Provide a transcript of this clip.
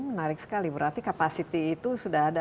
berarti kapasitas itu sudah ada